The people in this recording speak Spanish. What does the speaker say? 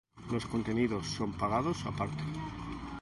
Los contenidos son pagados aparte.